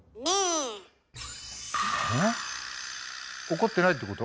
怒ってないってこと？